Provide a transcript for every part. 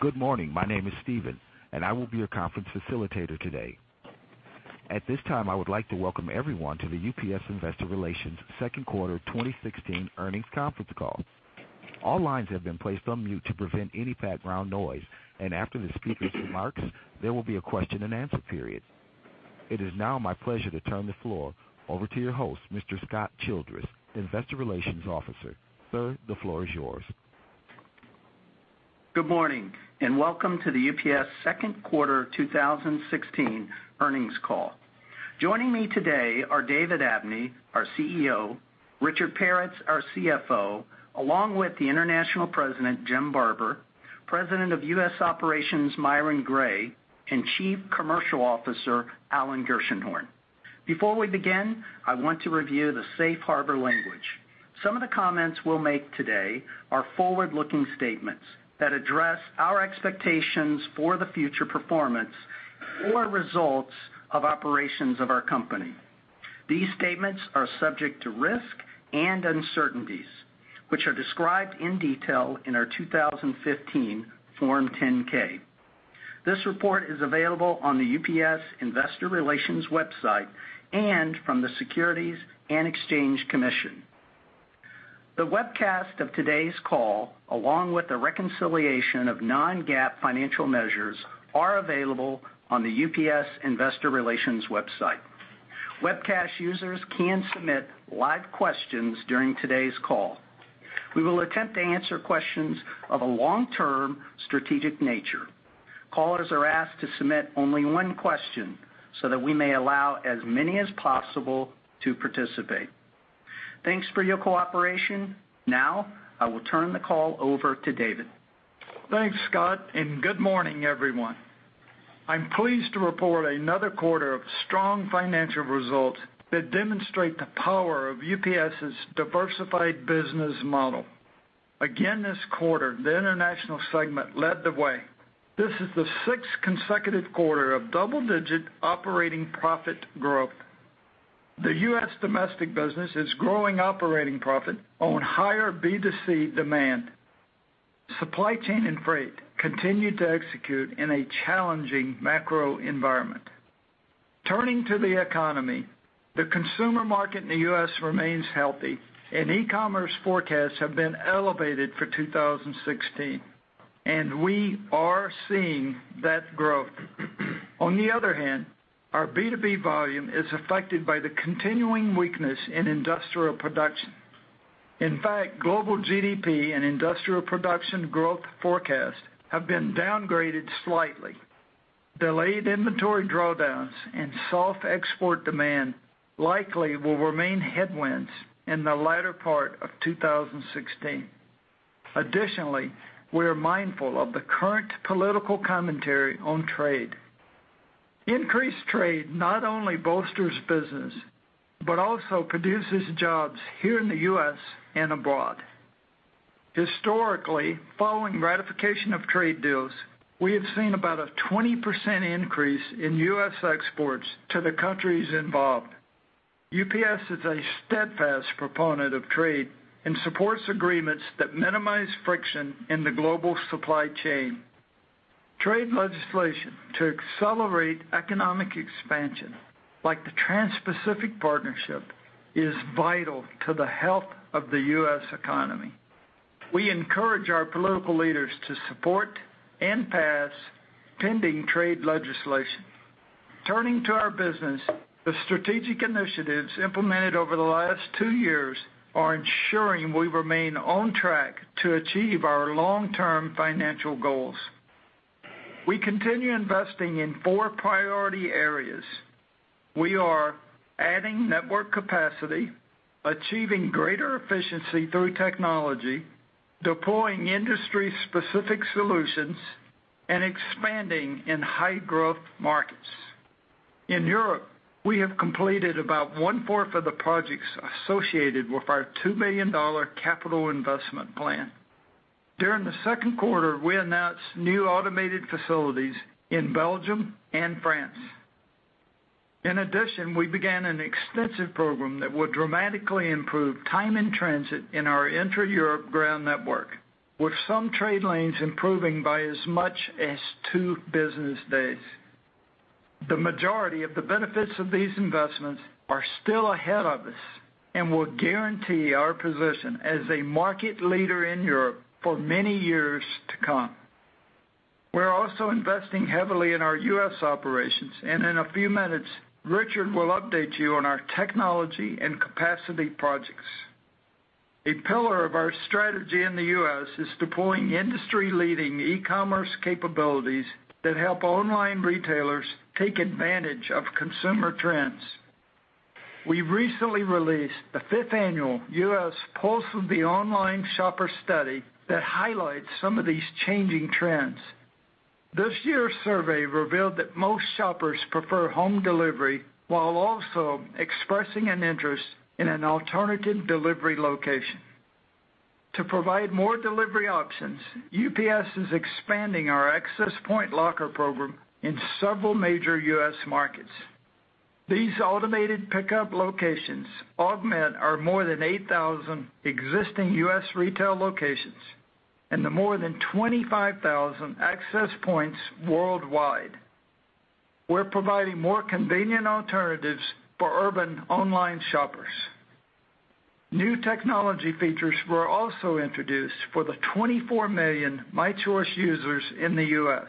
Good morning. My name is Steven, and I will be your conference facilitator today. At this time, I would like to welcome everyone to the UPS Investor Relations second quarter 2016 earnings conference call. All lines have been placed on mute to prevent any background noise, and after the speaker's remarks, there will be a question and answer period. It is now my pleasure to turn the floor over to your host, Mr. Scott Childress, investor relations officer. Sir, the floor is yours. Good morning. Welcome to the UPS second quarter 2016 earnings call. Joining me today are David Abney, our CEO, Richard Peretz, our CFO, along with the international president, Jim Barber, President of U.S. Operations, Myron Gray, and Chief Commercial Officer, Alan Gershenhorn. Before we begin, I want to review the safe harbor language. Some of the comments we'll make today are forward-looking statements that address our expectations for the future performance or results of operations of our company. These statements are subject to risk and uncertainties, which are described in detail in our 2015 Form 10-K. This report is available on the UPS investor relations website and from the Securities and Exchange Commission. The webcast of today's call, along with a reconciliation of non-GAAP financial measures, are available on the UPS investor relations website. Webcast users can submit live questions during today's call. We will attempt to answer questions of a long-term, strategic nature. Callers are asked to submit only one question so that we may allow as many as possible to participate. Thanks for your cooperation. I will turn the call over to David. Thanks, Scott. Good morning, everyone. I'm pleased to report another quarter of strong financial results that demonstrate the power of UPS's diversified business model. Again, this quarter, the international segment led the way. This is the sixth consecutive quarter of double-digit operating profit growth. The U.S. domestic business is growing operating profit on higher B2C demand. Supply Chain and Freight continue to execute in a challenging macro environment. Turning to the economy, the consumer market in the U.S. remains healthy, and e-commerce forecasts have been elevated for 2016, and we are seeing that growth. On the other hand, our B2B volume is affected by the continuing weakness in industrial production. In fact, global GDP and industrial production growth forecasts have been downgraded slightly. Delayed inventory drawdowns and soft export demand likely will remain headwinds in the latter part of 2016. Additionally, we are mindful of the current political commentary on trade. Increased trade not only bolsters business, but also produces jobs here in the U.S. and abroad. Historically, following ratification of trade deals, we have seen about a 20% increase in U.S. exports to the countries involved. UPS is a steadfast proponent of trade and supports agreements that minimize friction in the global supply chain. Trade legislation to accelerate economic expansion, like the Trans-Pacific Partnership, is vital to the health of the U.S. economy. We encourage our political leaders to support and pass pending trade legislation. Turning to our business, the strategic initiatives implemented over the last two years are ensuring we remain on track to achieve our long-term financial goals. We continue investing in four priority areas. We are adding network capacity, achieving greater efficiency through technology, deploying industry-specific solutions, and expanding in high-growth markets. In Europe, we have completed about one-fourth of the projects associated with our $2 billion capital investment plan. During the second quarter, we announced new automated facilities in Belgium and France. In addition, we began an extensive program that will dramatically improve time and transit in our intra-Europe ground network, with some trade lanes improving by as much as two business days. The majority of the benefits of these investments are still ahead of us and will guarantee our position as a market leader in Europe for many years to come. We're also investing heavily in our U.S. operations, and in a few minutes, Richard will update you on our technology and capacity projects. A pillar of our strategy in the U.S. is deploying industry-leading e-commerce capabilities that help online retailers take advantage of consumer trends. We recently released the fifth annual UPS Pulse of the Online Shopper study that highlights some of these changing trends. This year's survey revealed that most shoppers prefer home delivery while also expressing an interest in an alternative delivery location. To provide more delivery options, UPS is expanding our UPS Access Point Locker program in several major U.S. markets. These automated pickup locations augment our more than 8,000 existing U.S. retail locations and the more than 25,000 UPS Access Points worldwide. We're providing more convenient alternatives for urban online shoppers. New technology features were also introduced for the 24 million UPS My Choice users in the U.S.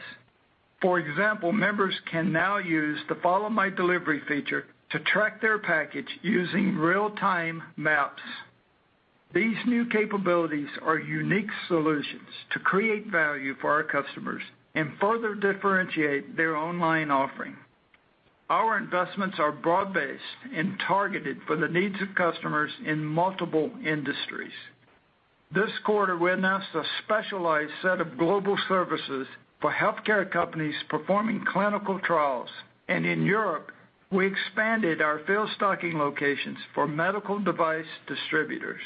For example, members can now use the Follow My Delivery feature to track their package using real-time maps. These new capabilities are unique solutions to create value for our customers and further differentiate their online offering. Our investments are broad-based and targeted for the needs of customers in multiple industries. This quarter, we announced a specialized set of global services for healthcare companies performing clinical trials, and in Europe, we expanded our field stocking locations for medical device distributors.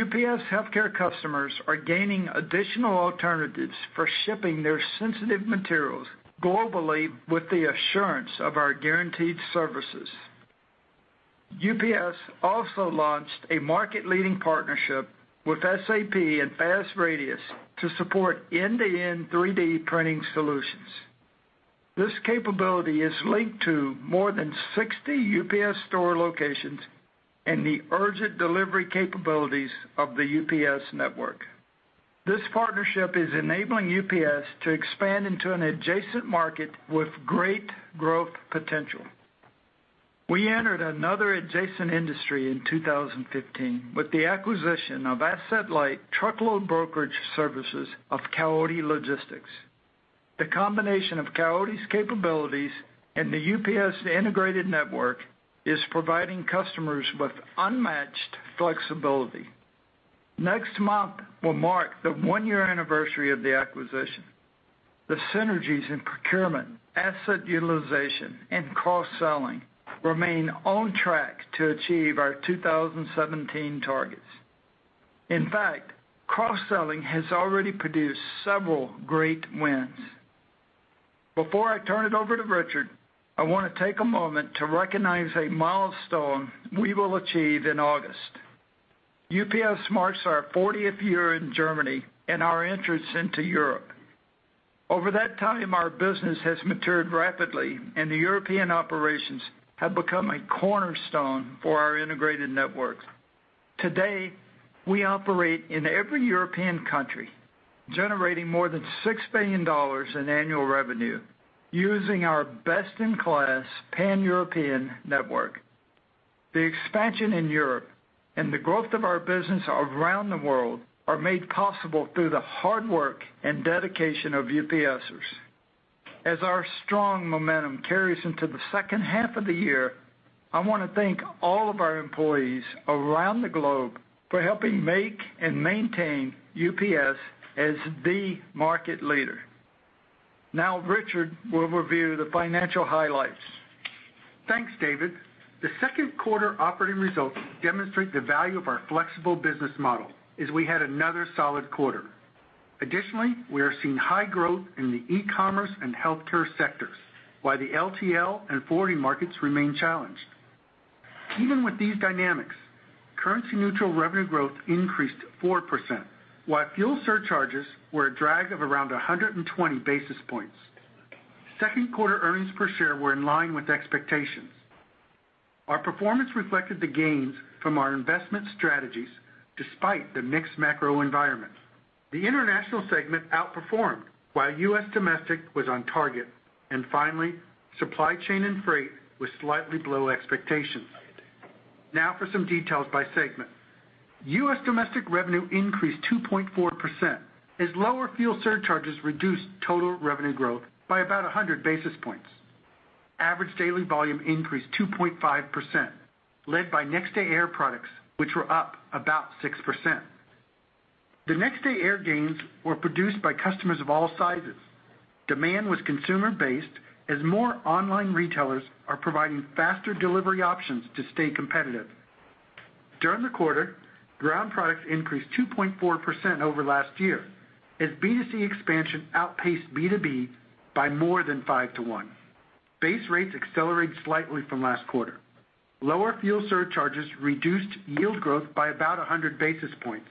UPS healthcare customers are gaining additional alternatives for shipping their sensitive materials globally with the assurance of our guaranteed services. UPS also launched a market-leading partnership with SAP and Fast Radius to support end-to-end 3D printing solutions. This capability is linked to more than 60 The UPS Store locations and the urgent delivery capabilities of the UPS network. This partnership is enabling UPS to expand into an adjacent market with great growth potential. We entered another adjacent industry in 2015 with the acquisition of asset-light truckload brokerage services of Coyote Logistics. The combination of Coyote's capabilities and the UPS integrated network is providing customers with unmatched flexibility. Next month will mark the one-year anniversary of the acquisition. The synergies in procurement, asset utilization, and cross-selling remain on track to achieve our 2017 targets. In fact, cross-selling has already produced several great wins. Before I turn it over to Richard, I want to take a moment to recognize a milestone we will achieve in August. UPS marks our 40th year in Germany and our entrance into Europe. Over that time, our business has matured rapidly, and the European operations have become a cornerstone for our integrated networks. Today, we operate in every European country, generating more than $6 billion in annual revenue using our best-in-class Pan-European network. The expansion in Europe and the growth of our business around the world are made possible through the hard work and dedication of UPSers. As our strong momentum carries into the second half of the year, I want to thank all of our employees around the globe for helping make and maintain UPS as the market leader. Richard will review the financial highlights. Thanks, David. The second quarter operating results demonstrate the value of our flexible business model as we had another solid quarter. Additionally, we are seeing high growth in the e-commerce and healthcare sectors, while the LTL and forwarding markets remain challenged. Even with these dynamics, currency neutral revenue growth increased 4%, while fuel surcharges were a drag of around 120 basis points. Second quarter earnings per share were in line with expectations. Our performance reflected the gains from our investment strategies, despite the mixed macro environments. The international segment outperformed while U.S. domestic was on target, and finally, supply chain and freight was slightly below expectations. Now for some details by segment. U.S. domestic revenue increased 2.4% as lower fuel surcharges reduced total revenue growth by about 100 basis points. Average daily volume increased 2.5%, led by Next Day Air products, which were up about 6%. The Next Day Air gains were produced by customers of all sizes. Demand was consumer-based, as more online retailers are providing faster delivery options to stay competitive. During the quarter, ground products increased 2.4% over last year, as B2C expansion outpaced B2B by more than five to one. Base rates accelerated slightly from last quarter. Lower fuel surcharges reduced yield growth by about 100 basis points.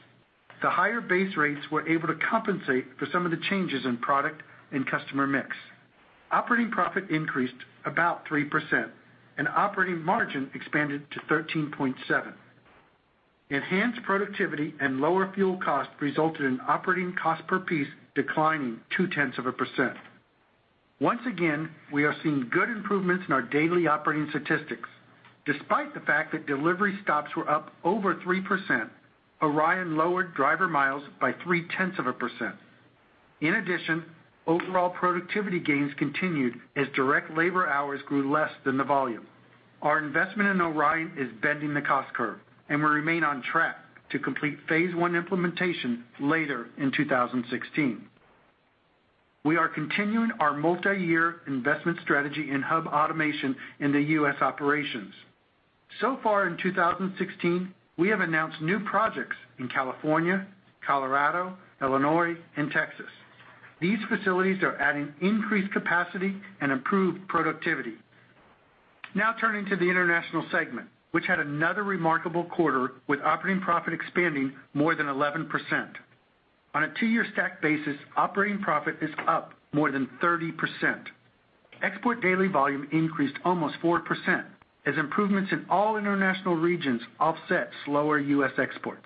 The higher base rates were able to compensate for some of the changes in product and customer mix. Operating profit increased about 3%, and operating margin expanded to 13.7%. Enhanced productivity and lower fuel cost resulted in operating cost per piece declining two-tenths of a percent. Once again, we are seeing good improvements in our daily operating statistics. Despite the fact that delivery stops were up over 3%, ORION lowered driver miles by three-tenths of a percent. In addition, overall productivity gains continued as direct labor hours grew less than the volume. Our investment in ORION is bending the cost curve, and we remain on track to complete phase one implementation later in 2016. We are continuing our multi-year investment strategy in hub automation in the U.S. operations. So far in 2016, we have announced new projects in California, Colorado, Illinois, and Texas. These facilities are adding increased capacity and improved productivity. Now turning to the international segment, which had another remarkable quarter with operating profit expanding more than 11%. On a two-year stack basis, operating profit is up more than 30%. Export daily volume increased almost 4%, as improvements in all international regions offset slower U.S. exports.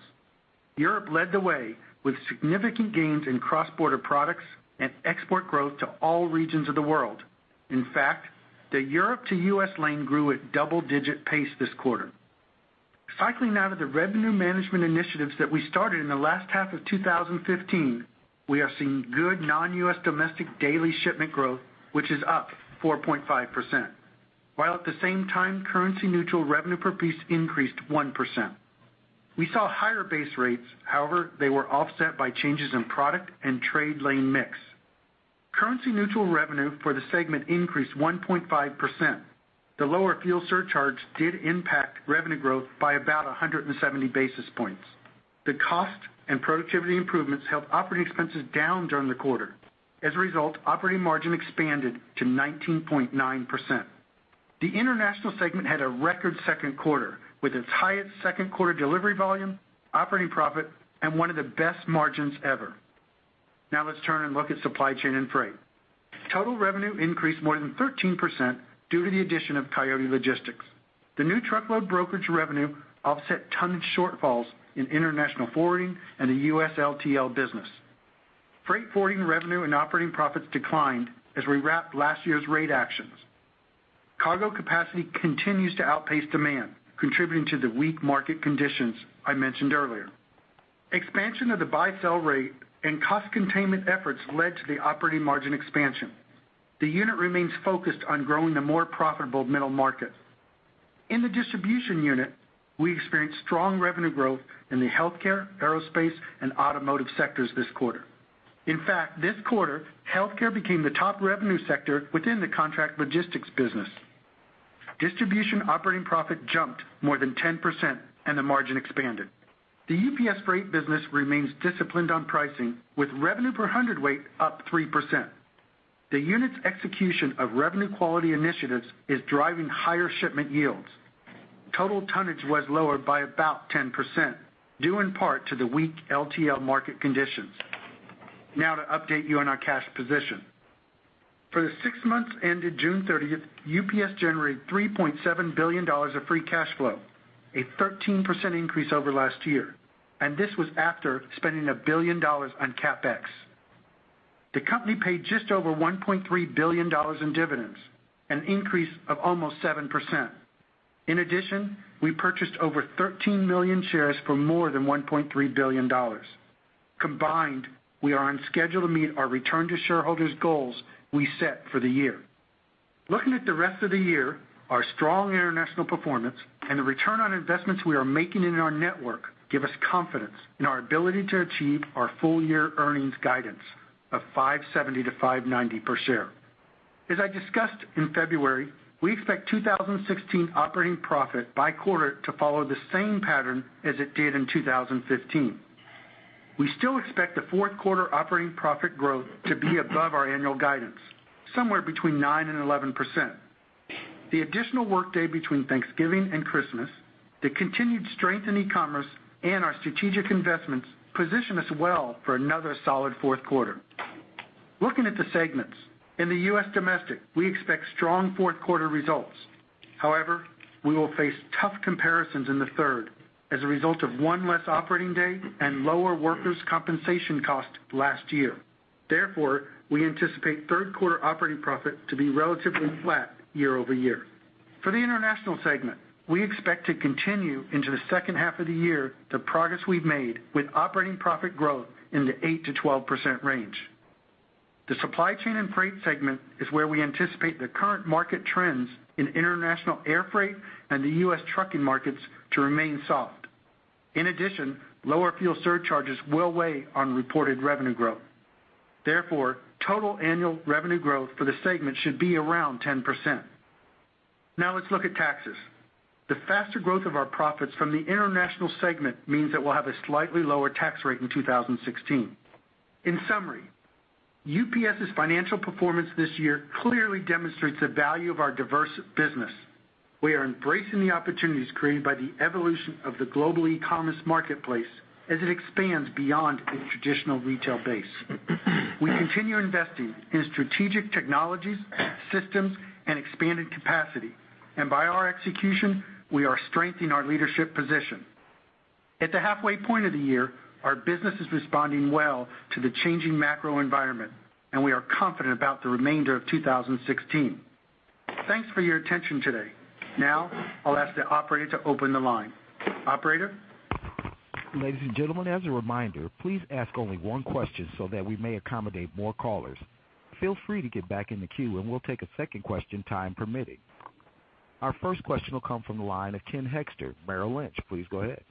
Europe led the way with significant gains in cross-border products and export growth to all regions of the world. In fact, the Europe to U.S. lane grew at double-digit pace this quarter. Cycling now to the revenue management initiatives that we started in the last half of 2015, we are seeing good non-U.S. domestic daily shipment growth, which is up 4.5%, while at the same time, currency-neutral revenue per piece increased 1%. We saw higher base rates, however, they were offset by changes in product and trade lane mix. Currency-neutral revenue for the segment increased 1.5%. The lower fuel surcharge did impact revenue growth by about 170 basis points. The cost and productivity improvements held operating expenses down during the quarter. As a result, operating margin expanded to 19.9%. The international segment had a record second quarter with its highest second quarter delivery volume, operating profit, and one of the best margins ever. Now let's turn and look at supply chain and freight. Total revenue increased more than 13% due to the addition of Coyote Logistics. The new truckload brokerage revenue offset tonnage shortfalls in international forwarding and the U.S. LTL business. Freight forwarding revenue and operating profits declined as we wrapped last year's rate actions. Cargo capacity continues to outpace demand, contributing to the weak market conditions I mentioned earlier. Expansion of the buy/sell rate and cost containment efforts led to the operating margin expansion. The unit remains focused on growing the more profitable middle market. In the distribution unit, we experienced strong revenue growth in the healthcare, aerospace, and automotive sectors this quarter. In fact, this quarter, healthcare became the top revenue sector within the contract logistics business. Distribution operating profit jumped more than 10% and the margin expanded. The UPS Freight business remains disciplined on pricing, with revenue per hundredweight up 3%. The unit's execution of revenue quality initiatives is driving higher shipment yields. Total tonnage was lower by about 10%, due in part to the weak LTL market conditions. Now to update you on our cash position. For the six months ended June 30th, UPS generated $3.7 billion of free cash flow, a 13% increase over last year, and this was after spending $1 billion on CapEx. The company paid just over $1.3 billion in dividends, an increase of almost 7%. In addition, we purchased over 13 million shares for more than $1.3 billion. Combined, we are on schedule to meet our return to shareholders goals we set for the year. Looking at the rest of the year, our strong international performance and the return on investments we are making in our network give us confidence in our ability to achieve our full year earnings guidance of $5.70 to $5.90 per share. As I discussed in February, we expect 2016 operating profit by quarter to follow the same pattern as it did in 2015. We still expect the fourth quarter operating profit growth to be above our annual guidance, somewhere between 9% and 11%. The additional workday between Thanksgiving and Christmas, the continued strength in e-commerce, and our strategic investments position us well for another solid fourth quarter. Looking at the segments, in the U.S. domestic, we expect strong fourth quarter results. However, we will face tough comparisons in the third as a result of one less operating day and lower workers' compensation cost last year. Therefore, we anticipate third quarter operating profit to be relatively flat year-over-year. For the international segment, we expect to continue into the second half of the year the progress we've made with operating profit growth in the 8% to 12% range. The supply chain and freight segment is where we anticipate the current market trends in international air freight and the U.S. trucking markets to remain soft. Lower fuel surcharges will weigh on reported revenue growth. Total annual revenue growth for the segment should be around 10%. Let's look at taxes. UPS's financial performance this year clearly demonstrates the value of our diverse business. We are embracing the opportunities created by the evolution of the global e-commerce marketplace as it expands beyond a traditional retail base. We continue investing in strategic technologies, systems, and expanded capacity, and by our execution, we are strengthening our leadership position. At the halfway point of the year, our business is responding well to the changing macro environment, and we are confident about the remainder of 2016. Thanks for your attention today. I'll ask the operator to open the line. Operator? Ladies and gentlemen, as a reminder, please ask only one question so that we may accommodate more callers. Feel free to get back in the queue and we'll take a second question, time permitting. Our first question will come from the line of Ken Hoexter, Merrill Lynch. Please go ahead.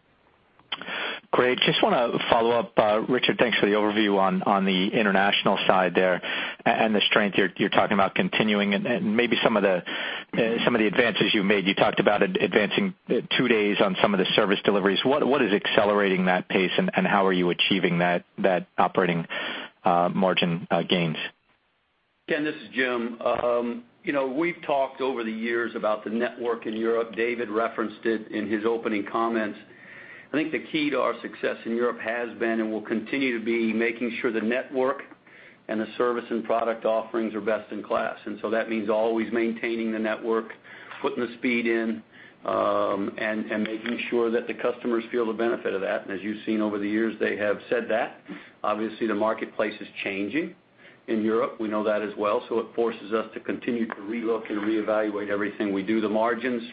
Great. Just want to follow up. Richard, thanks for the overview on the international side there and the strength you're talking about continuing and maybe some of the advances you've made. You talked about advancing two days on some of the service deliveries. What is accelerating that pace, and how are you achieving that operating margin gains? Ken, this is Jim. We've talked over the years about the network in Europe. David referenced it in his opening comments. I think the key to our success in Europe has been, and will continue to be, making sure the network and the service and product offerings are best in class. That means always maintaining the network, putting the speed in, and making sure that the customers feel the benefit of that. As you've seen over the years, they have said that. Obviously, the marketplace is changing in Europe. We know that as well. It forces us to continue to re-look and reevaluate everything we do. The margins,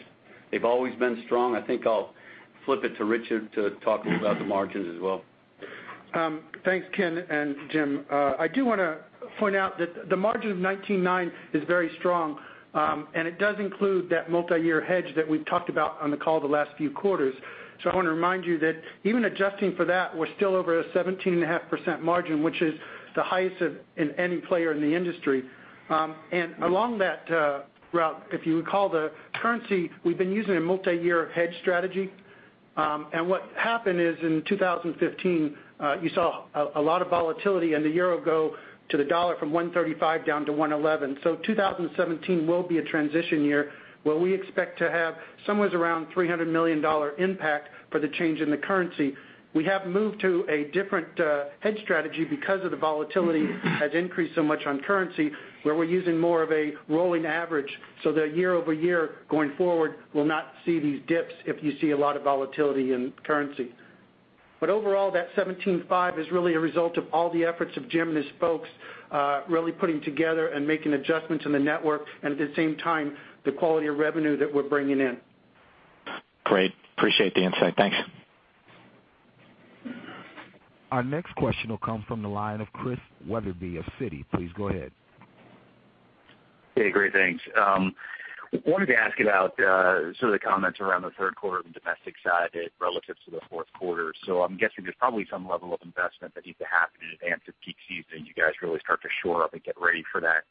they've always been strong. I think I'll flip it to Richard to talk to you about the margins as well. Thanks, Ken and Jim. I do want to point out that the margin of 19.9% is very strong, and it does include that multiyear hedge that we've talked about on the call the last few quarters. I want to remind you that even adjusting for that, we're still over a 17.5% margin, which is the highest of any player in the industry. Along that route, if you recall the currency, we've been using a multiyear hedge strategy. What happened is, in 2015, you saw a lot of volatility and the euro go to the dollar from 135 down to 111. 2017 will be a transition year where we expect to have somewhere around $300 million impact for the change in the currency. We have moved to a different hedge strategy because of the volatility has increased so much on currency, where we're using more of a rolling average, that year-over-year, going forward, we'll not see these dips if you see a lot of volatility in currency. Overall, that 17.5% is really a result of all the efforts of Jim and his folks really putting together and making adjustments in the network and at the same time, the quality of revenue that we're bringing in. Great. Appreciate the insight. Thanks. Our next question will come from the line of Chris Wetherbee of Citi. Please go ahead. Hey, great. Thanks. Wanted to ask about sort of the comments around the third quarter of the domestic side relative to the fourth quarter. I'm guessing there's probably some level of investment that needs to happen in advance of peak season. You guys really start to shore up and get ready for that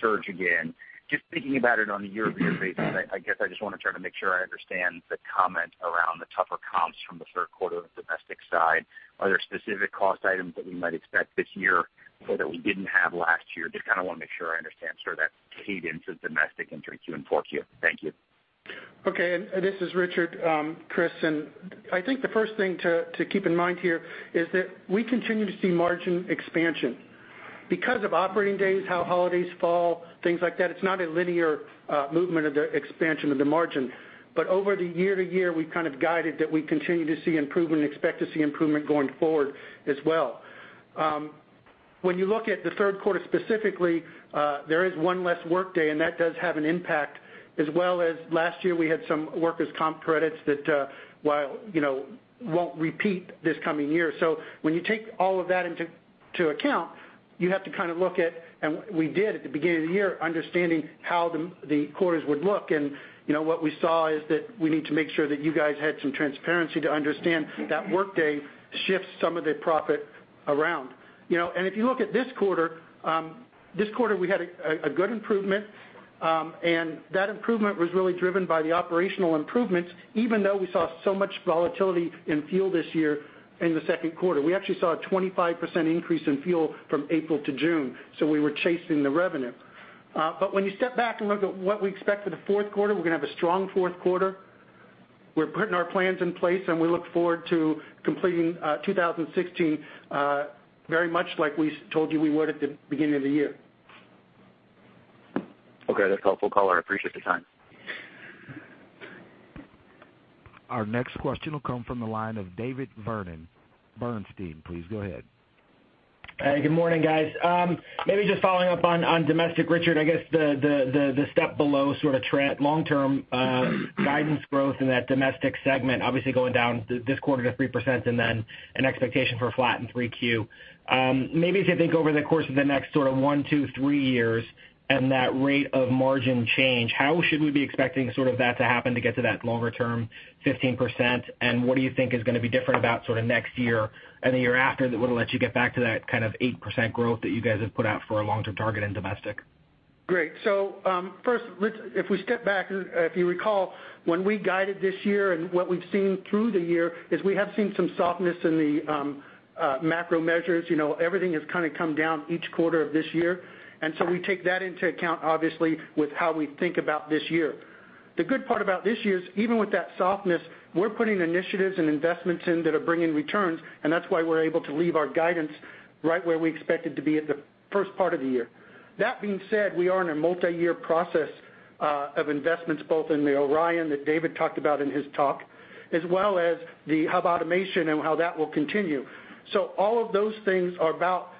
surge again. Just thinking about it on a year-over-year basis, I guess I just want to try to make sure I understand the comment around the tougher comps from the third quarter of the domestic side. Are there specific cost items that we might expect this year that we didn't have last year? Just kind of want to make sure I understand sort of that cadence of domestic into Q4Q. Thank you. Okay. This is Richard. Chris, I think the first thing to keep in mind here is that we continue to see margin expansion. Because of operating days, how holidays fall, things like that, it's not a linear movement of the expansion of the margin. Over the year to year, we've kind of guided that we continue to see improvement and expect to see improvement going forward as well. When you look at the third quarter specifically, there is one less workday, and that does have an impact as well as last year, we had some workers' comp credits that won't repeat this coming year. When you take all of that into account, you have to kind of look at, and we did at the beginning of the year, understanding how the quarters would look. What we saw is that we need to make sure that you guys had some transparency to understand that workday shifts some of the profit around. If you look at this quarter, this quarter, we had a good improvement, and that improvement was really driven by the operational improvements even though we saw so much volatility in fuel this year in the second quarter. We actually saw a 25% increase in fuel from April to June, we were chasing the revenue. When you step back and look at what we expect for the fourth quarter, we're going to have a strong fourth quarter. We're putting our plans in place, and we look forward to completing 2016 very much like we told you we would at the beginning of the year. Okay, that's helpful color. I appreciate the time. Our next question will come from the line of David Vernon, Bernstein. Please go ahead. Hey, good morning, guys. Maybe just following up on domestic, Richard, I guess the step below sort of long-term guidance growth in that domestic segment, obviously going down this quarter to 3% and then an expectation for flat in 3Q. Maybe as you think over the course of the next sort of one, two, three years and that rate of margin change, how should we be expecting sort of that to happen to get to that longer term 15%? What do you think is going to be different about sort of next year and the year after that would let you get back to that kind of 8% growth that you guys have put out for a long-term target in domestic? Great. First, if we step back, if you recall, when we guided this year and what we've seen through the year is we have seen some softness in the macro measures. Everything has kind of come down each quarter of this year, we take that into account, obviously, with how we think about this year. The good part about this year is even with that softness, we're putting initiatives and investments in that are bringing returns, and that's why we're able to leave our guidance right where we expect it to be at the first part of the year. That being said, we are in a multiyear process of investments both in the ORION that David talked about in his talk, as well as the hub automation and how that will continue. All of those things are about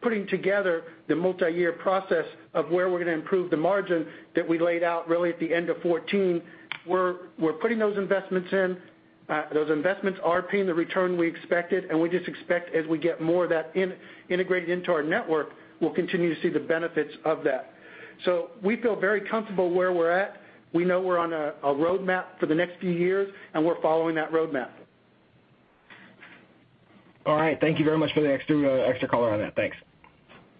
putting together the multiyear process of where we're going to improve the margin that we laid out really at the end of 2014. We're putting those investments in. Those investments are paying the return we expected, we just expect as we get more of that integrated into our network, we'll continue to see the benefits of that. We feel very comfortable where we're at. We know we're on a roadmap for the next few years, we're following that roadmap. All right. Thank you very much for the extra color on that. Thanks.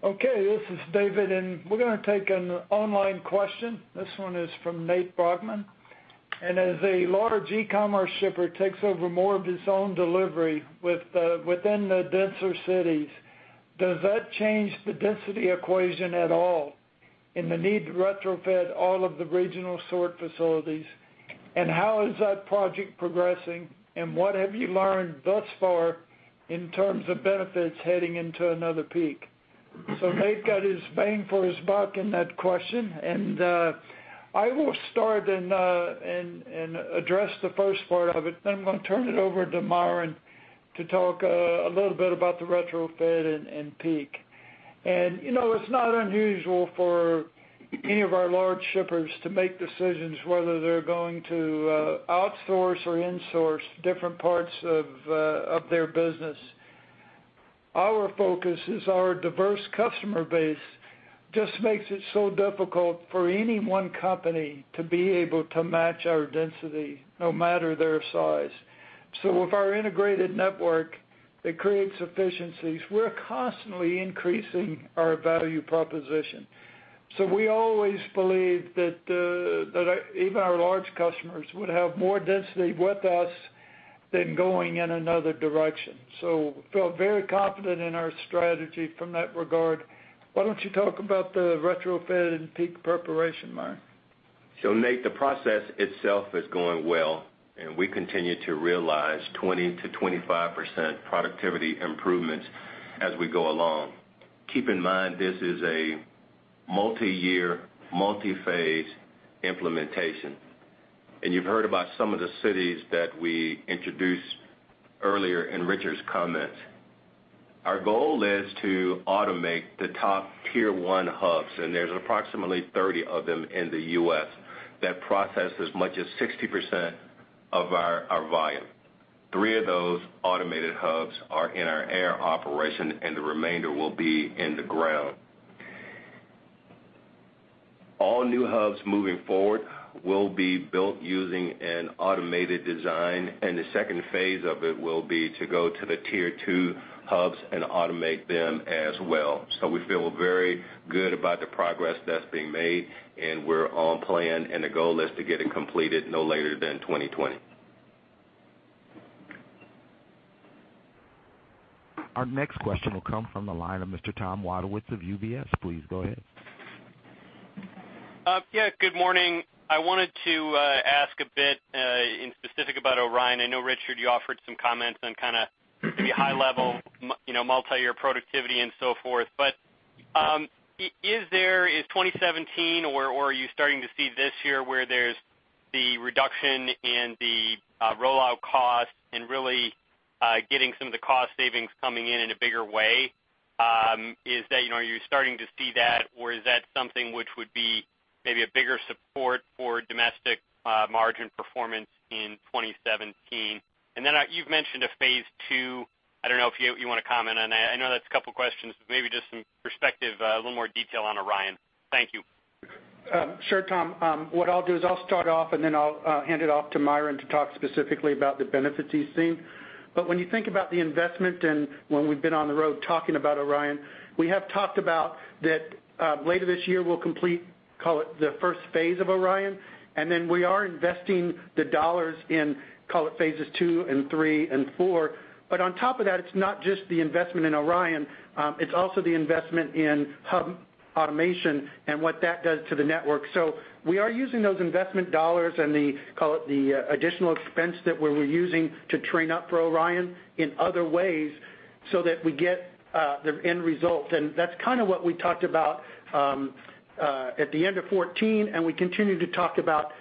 Okay, this is David, we're going to take an online question. This one is from Nate Bachman. As a large e-commerce shipper takes over more of his own delivery within the denser cities, does that change the density equation at all in the need to retrofit all of the regional sort facilities? How is that project progressing? What have you learned thus far in terms of benefits heading into another peak? Nate got his bang for his buck in that question. I will start and address the first part of it, then I'm going to turn it over to Myron to talk a little bit about the retrofit and peak. It's not unusual for any of our large shippers to make decisions whether they're going to outsource or insource different parts of their business. Our focus is our diverse customer base just makes it so difficult for any one company to be able to match our density, no matter their size. With our integrated network that creates efficiencies, we're constantly increasing our value proposition. We always believed that even our large customers would have more density with us than going in another direction. We feel very confident in our strategy from that regard. Why don't you talk about the retrofit and peak preparation, Myron? Nate, the process itself is going well. We continue to realize 20%-25% productivity improvements as we go along. Keep in mind, this is a multi-year, multi-phase implementation. You've heard about some of the cities that we introduced earlier in Richard's comments. Our goal is to automate the top tier 1 hubs. There's approximately 30 of them in the U.S. that process as much as 60% of our volume. Three of those automated hubs are in our air operation. The remainder will be in the ground. All new hubs moving forward will be built using an automated design. The second phase of it will be to go to the tier 2 hubs and automate them as well. We feel very good about the progress that's being made. We're on plan. The goal is to get it completed no later than 2020. Our next question will come from the line of Mr. Tom Wadewitz of UBS. Please go ahead. Good morning. I wanted to ask a bit in specific about ORION. I know, Richard, you offered some comments on kind of maybe high level multi-year productivity and so forth. Is 2017, or are you starting to see this year where there's the reduction in the rollout cost and really getting some of the cost savings coming in in a bigger way? Are you starting to see that, or is that something which would be maybe a bigger support for domestic margin performance in 2017? Then you've mentioned a phase 2. I don't know if you want to comment on that. I know that's a couple questions, but maybe just some perspective, a little more detail on ORION. Thank you. Sure, Tom. What I'll do is I'll start off, and then I'll hand it off to Myron to talk specifically about the benefits he's seeing. When you think about the investment and when we've been on the road talking about ORION, we have talked about that later this year, we'll complete, call it, the phase 1 of ORION, and then we are investing the $ in, call it phase 2 and 3 and 4. On top of that, it's not just the investment in ORION, it's also the investment in hub automation and what that does to the network. We are using those investment $ and the, call it, the additional expense that we were using to train up for ORION in other ways so that we get the end result. That's kind of what we talked about at the end of 2014, and we continue to talk about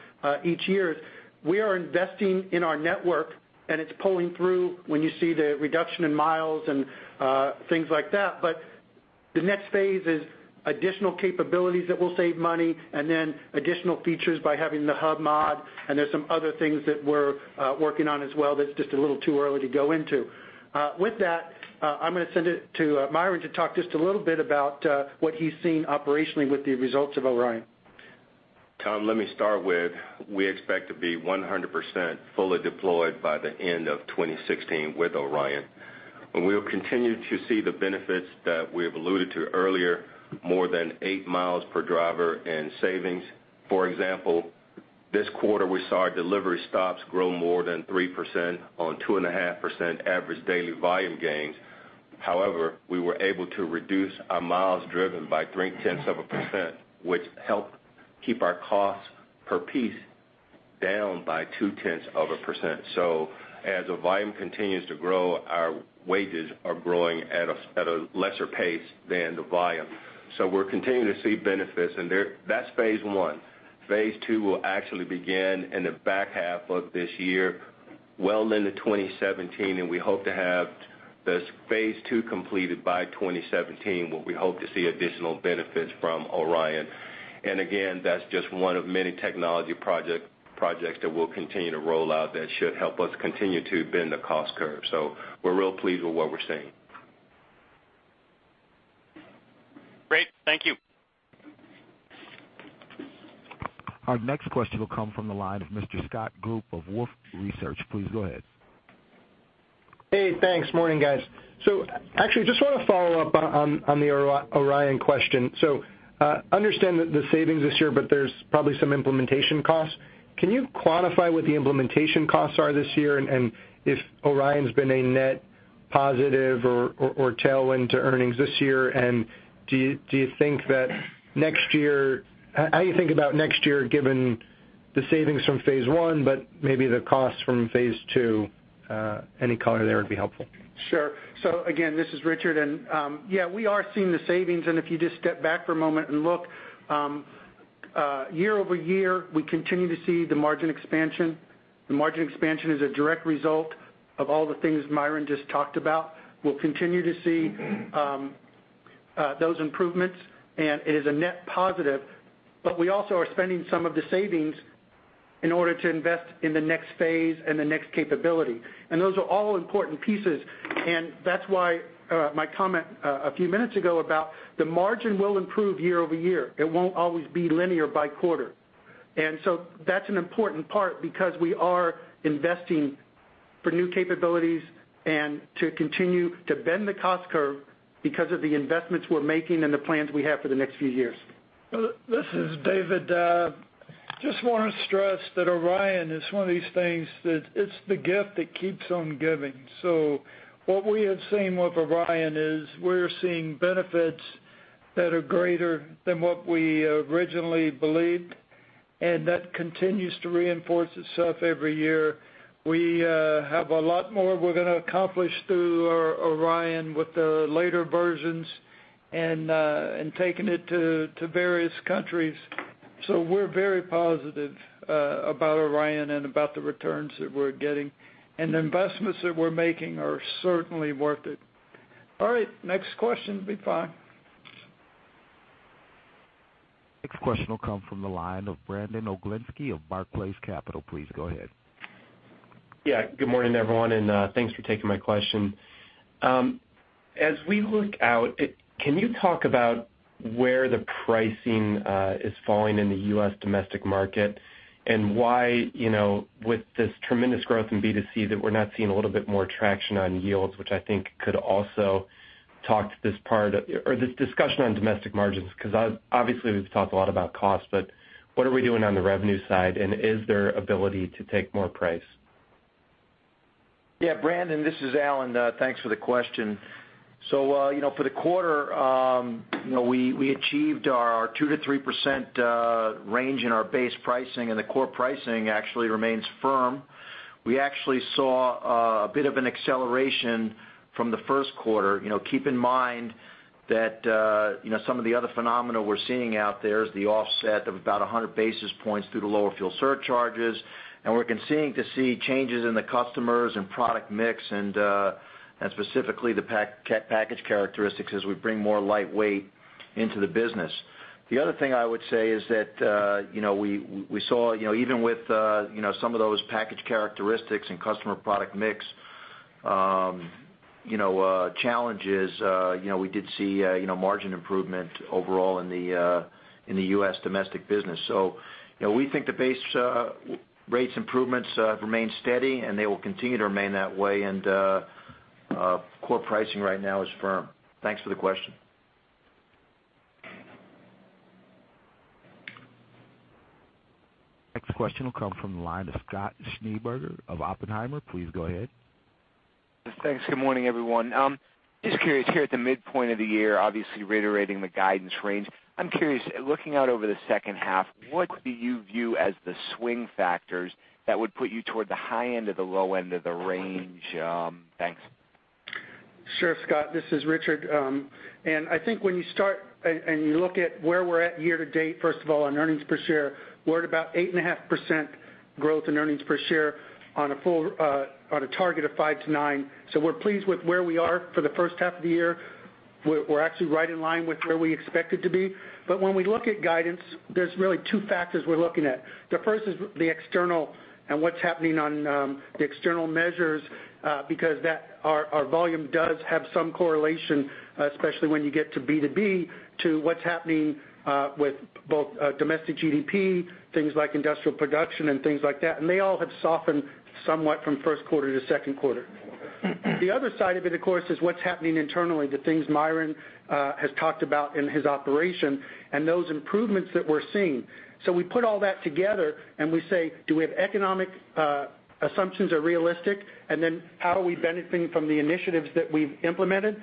each year. We are investing in our network, and it's pulling through when you see the reduction in miles and things like that. The next phase is additional capabilities that will save money, and then additional features by having the hub mod, and there's some other things that we're working on as well that's just a little too early to go into. With that, I'm going to send it to Myron to talk just a little bit about what he's seen operationally with the results of ORION. Tom, let me start with, we expect to be 100% fully deployed by the end of 2016 with ORION. We'll continue to see the benefits that we've alluded to earlier, more than eight miles per driver in savings. For example, this quarter, we saw our delivery stops grow more than 3% on 2.5% average daily volume gains. However, we were able to reduce our miles driven by 0.3%, which helped keep our cost per piece down by 0.2%. As the volume continues to grow, our wages are growing at a lesser pace than the volume. We're continuing to see benefits, and that's phase 1. Phase 2 will actually begin in the back half of this year, well into 2017, and we hope to have this phase 2 completed by 2017, where we hope to see additional benefits from ORION. Again, that's just one of many technology projects that we'll continue to roll out that should help us continue to bend the cost curve. We're real pleased with what we're seeing. Great. Thank you. Our next question will come from the line of Mr. Scott Group of Wolfe Research. Please go ahead. Hey, thanks. Morning, guys. Actually, just want to follow up on the ORION question. Understand that there's savings this year, but there's probably some implementation costs. Can you quantify what the implementation costs are this year and if ORION's been a net positive or tailwind to earnings this year? And how do you think about next year given the savings from phase 1, but maybe the costs from phase 2? Any color there would be helpful. Sure. Again, this is Richard, and yeah, we are seeing the savings, and if you just step back for a moment and look, year-over-year, we continue to see the margin expansion. The margin expansion is a direct result of all the things Myron just talked about. We'll continue to see those improvements, and it is a net positive, but we also are spending some of the savings in order to invest in the next phase and the next capability. Those are all important pieces, and that's why my comment a few minutes ago about the margin will improve year-over-year. It won't always be linear by quarter. That's an important part because we are investing for new capabilities and to continue to bend the cost curve because of the investments we're making and the plans we have for the next few years. This is David. Just want to stress that ORION is one of these things that it's the gift that keeps on giving. What we have seen with ORION is we're seeing benefits that are greater than what we originally believed, and that continues to reinforce itself every year. We have a lot more we're going to accomplish through ORION with the later versions and taking it to various countries. We're very positive about ORION and about the returns that we're getting. The investments that we're making are certainly worth it. All right, next question will be fine. Next question will come from the line of Brandon Oglenski of Barclays Capital. Please go ahead. Good morning, everyone, and thanks for taking my question. As we look out, can you talk about where the pricing is falling in the U.S. domestic market and why, with this tremendous growth in B2C, that we're not seeing a little bit more traction on yields, which I think could also talk to this part or this discussion on domestic margins? Obviously, we've talked a lot about cost, but what are we doing on the revenue side, and is there ability to take more price? Brandon, this is Alan. Thanks for the question. For the quarter, we achieved our 2%-3% range in our base pricing, and the core pricing actually remains firm. We actually saw a bit of an acceleration from the first quarter. Keep in mind that some of the other phenomena we're seeing out there is the offset of about 100 basis points through the lower fuel surcharges. We're continuing to see changes in the customers and product mix and specifically the package characteristics as we bring more lightweight into the business. The other thing I would say is that, we saw even with some of those package characteristics and customer product mix challenges, we did see margin improvement overall in the U.S. domestic business. We think the base rates improvements remain steady, and they will continue to remain that way. Core pricing right now is firm. Thanks for the question. Next question will come from the line of Scott Schneeberger of Oppenheimer. Please go ahead. Thanks. Good morning, everyone. Just curious here at the midpoint of the year, obviously reiterating the guidance range. I'm curious, looking out over the second half, what do you view as the swing factors that would put you toward the high end or the low end of the range? Thanks. Sure, Scott. This is Richard. I think when you start and you look at where we're at year-to-date, first of all, on earnings per share, we're at about 8.5% growth in earnings per share on a target of five to nine. We're pleased with where we are for the first half of the year. We're actually right in line with where we expected to be. When we look at guidance, there's really two factors we're looking at. The first is the external and what's happening on the external measures because our volume does have some correlation, especially when you get to B2B, to what's happening with both domestic GDP, things like industrial production and things like that. They all have softened somewhat from first quarter to second quarter. We put all that together and we say, do we have economic assumptions are realistic? How are we benefiting from the initiatives that we've implemented?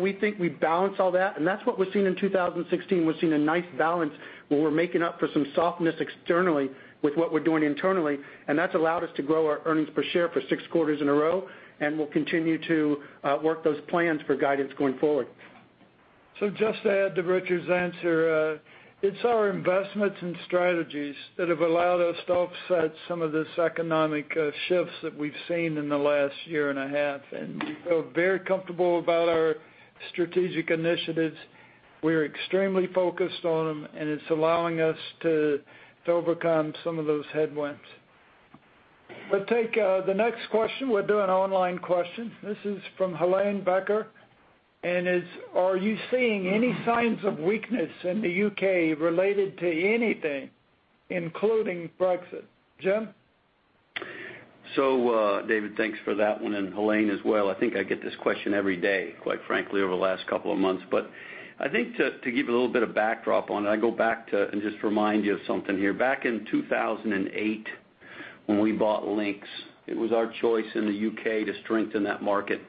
We think we balance all that, and that's what we're seeing in 2016. We're seeing a nice balance where we're making up for some softness externally with what we're doing internally, that's allowed us to grow our earnings per share for six quarters in a row, and we'll continue to work those plans for guidance going forward. Just to add to Richard's answer, it's our investments and strategies that have allowed us to offset some of this economic shifts that we've seen in the last year and a half. We feel very comfortable about our strategic initiatives. We're extremely focused on them, it's allowing us to overcome some of those headwinds. We'll take the next question. We're doing online questions. This is from Helane Becker, is are you seeing any signs of weakness in the U.K. related to anything, including Brexit? Jim? David, thanks for that one, and Helane as well. I think I get this question every day, quite frankly, over the last couple of months. I think to give a little bit of backdrop on it, I go back to, and just remind you of something here. Back in 2008, when we bought Lynx, it was our choice in the U.K. to strengthen that market,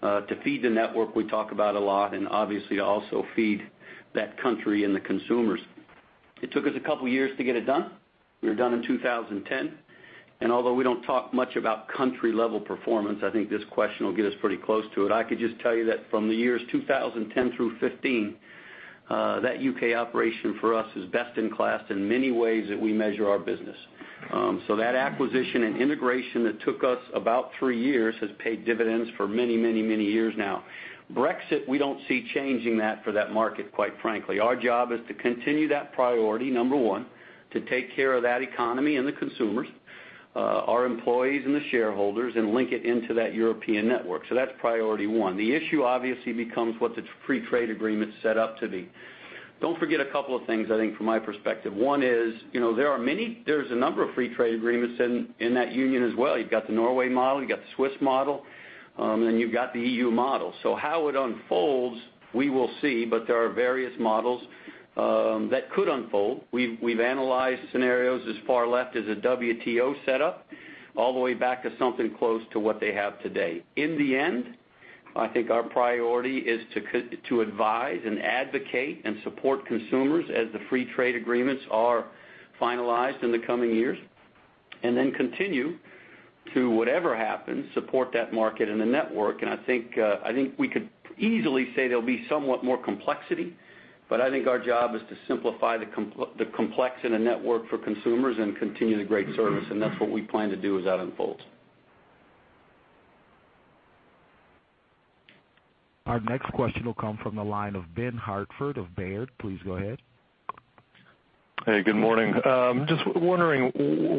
to feed the network we talk about a lot and obviously to also feed that country and the consumers. It took us a couple of years to get it done. We were done in 2010. Although we don't talk much about country-level performance, I think this question will get us pretty close to it. I could just tell you that from the years 2010 through 2015, that U.K. operation for us is best in class in many ways that we measure our business. That acquisition and integration that took us about three years has paid dividends for many years now. Brexit, we don't see changing that for that market, quite frankly. Our job is to continue that priority, number 1, to take care of that economy and the consumers, our employees, and the shareholders, and link it into that European network. That's priority 1. The issue obviously becomes what the free trade agreement set up to be. Don't forget a couple of things, I think, from my perspective. One is, there's a number of free trade agreements in that union as well. You've got the Norway model, you've got the Swiss model, and you've got the EU model. How it unfolds, we will see, there are various models that could unfold. We've analyzed scenarios as far left as a WTO setup all the way back to something close to what they have today. In the end, I think our priority is to advise and advocate and support consumers as the free trade agreements are finalized in the coming years, then continue to, whatever happens, support that market and the network. I think we could easily say there'll be somewhat more complexity, I think our job is to simplify the complex in a network for consumers and continue the great service. That's what we plan to do as that unfolds. Our next question will come from the line of Ben Hartford of Baird. Please go ahead. Hey, good morning. Just wondering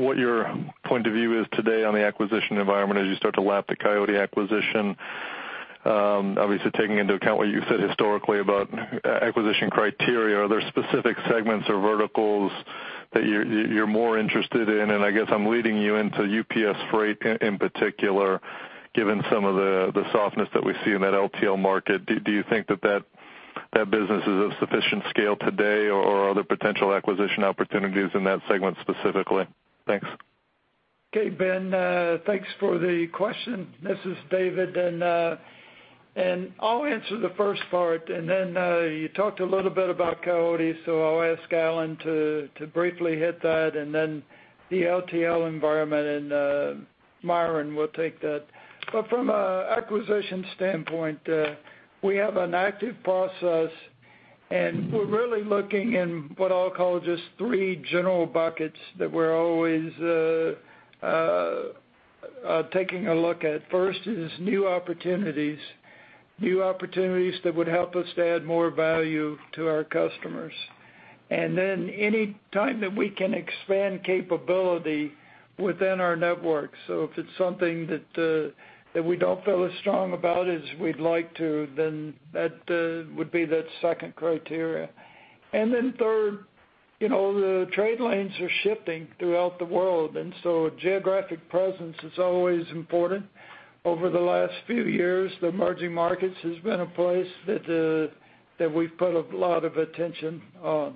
what your point of view is today on the acquisition environment as you start to lap the Coyote acquisition. Obviously, taking into account what you've said historically about acquisition criteria. Are there specific segments or verticals that you're more interested in? I guess I'm leading you into UPS Freight in particular, given some of the softness that we see in that LTL market. Do you think that that business is of sufficient scale today or are there potential acquisition opportunities in that segment specifically? Thanks. Okay. Ben, thanks for the question. This is David. I'll answer the first part, then you talked a little bit about Coyote, I'll ask Alan to briefly hit that, then the LTL environment, Myron will take that. From an acquisition standpoint, we have an active process, we're really looking in what I'll call just three general buckets that we're always taking a look at. First is new opportunities. New opportunities that would help us to add more value to our customers. Then any time that we can expand capability within our network. If it's something that we don't feel as strong about as we'd like to, that would be that second criteria. Third, the trade lanes are shifting throughout the world, geographic presence is always important. Over the last few years, the emerging markets has been a place that we've put a lot of attention on.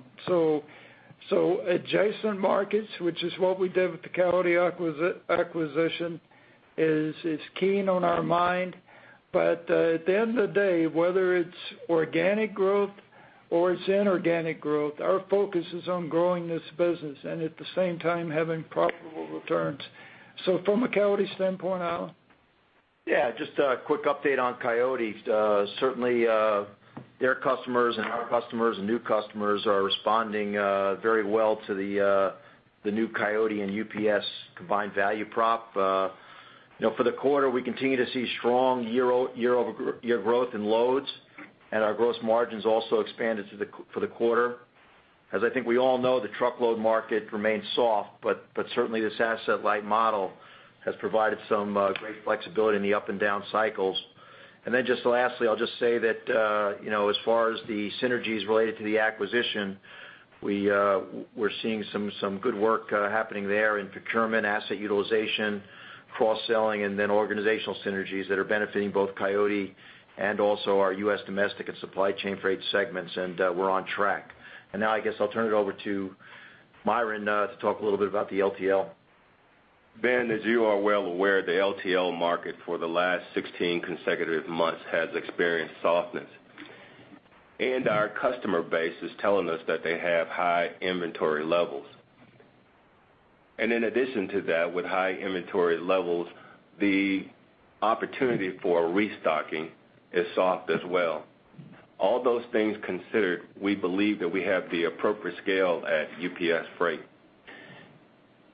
Adjacent markets, which is what we did with the Coyote acquisition, is keen on our mind. At the end of the day, whether it's organic growth or it's inorganic growth, our focus is on growing this business and at the same time having profitable returns. From a Coyote standpoint, Alan? Yeah, just a quick update on Coyote. Certainly their customers and our customers and new customers are responding very well to the new Coyote and UPS combined value prop. For the quarter, we continue to see strong year-over-year growth in loads, and our gross margins also expanded for the quarter. As I think we all know, the truckload market remains soft, but certainly this asset-light model has provided some great flexibility in the up and down cycles. Then just lastly, I'll just say that as far as the synergies related to the acquisition, we're seeing some good work happening there in procurement, asset utilization, cross-selling, and then organizational synergies that are benefiting both Coyote and also our U.S. domestic and supply chain freight segments, and we're on track. Now I guess I'll turn it over to Myron to talk a little bit about the LTL. Ben, as you are well aware, the LTL market for the last 16 consecutive months has experienced softness. Our customer base is telling us that they have high inventory levels. In addition to that, with high inventory levels, the opportunity for restocking is soft as well. All those things considered, we believe that we have the appropriate scale at UPS Freight.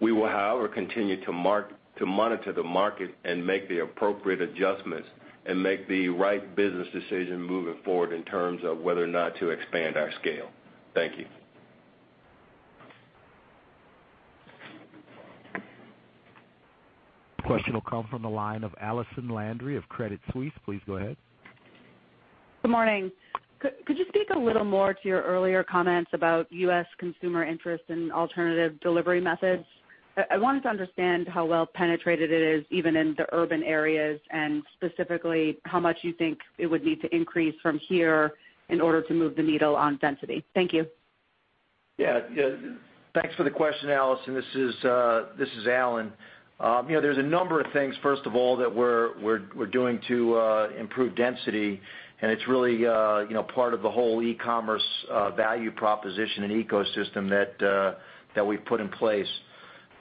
We will, however, continue to monitor the market and make the appropriate adjustments and make the right business decision moving forward in terms of whether or not to expand our scale. Thank you. Question will come from the line of Allison Landry of Credit Suisse. Please go ahead. Good morning. Could you speak a little more to your earlier comments about U.S. consumer interest in alternative delivery methods? I wanted to understand how well penetrated it is even in the urban areas, and specifically how much you think it would need to increase from here in order to move the needle on density. Thank you. Yeah. Thanks for the question, Allison. This is Alan. There's a number of things, first of all, that we're doing to improve density, and it's really part of the whole e-commerce value proposition and ecosystem that we've put in place.